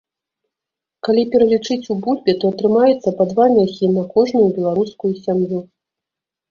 Калі пералічыць у бульбе, то атрымаецца па два мяхі на кожную беларускую сям'ю.